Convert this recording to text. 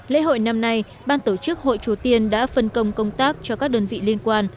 lễ hội năm nay ban tổ chức hội chùa tiên đã phân công công tác cho các đơn vị liên quan